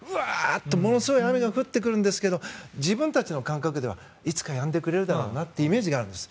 ものすごい雨が降ってきますが自分たちの感覚ではいつかやんでくるだろうなというイメージがあるんです。